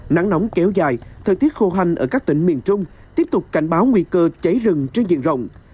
nắng nóng kéo dài thời tiết khô hành ở các tỉnh miền trung tiếp tục cảnh báo nguy cơ cháy rừng trên diện rộng